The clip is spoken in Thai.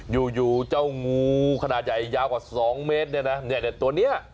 อยู่เจ้างูขนาดใหญ่ยาวกว่า๒เมตรเนี่ยนะเนี่ยเนี่ยตัวเนี่ย